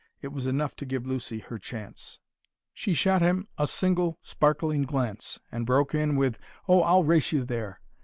It was enough to give Lucy her chance. She shot at him a single sparkling glance, and broke in with, "Oh, I'll race you there!"